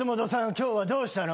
今日はどうしたの？